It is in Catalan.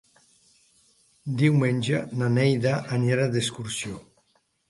Diumenge na Neida anirà d'excursió.